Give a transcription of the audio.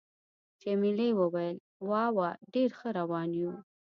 جميلې وويل:: وا وا، ډېر ښه روان یو.